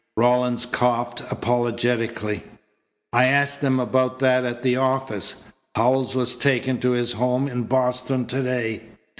Rawlins coughed apologetically. "I asked them about that at the office. Howells was taken to his home in Boston to day.